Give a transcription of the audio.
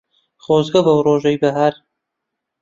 خۆزگە بەو ڕۆژەی بەهار